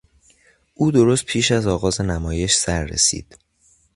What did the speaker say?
او درست پیش از آغاز نمایش سر رسید.